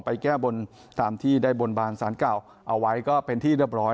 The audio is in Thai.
แก้บนตามที่ได้บนบานสารเก่าเอาไว้ก็เป็นที่เรียบร้อย